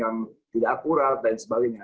yang tidak akurat dan sebagainya